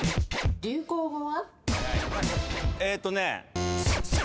流行語は？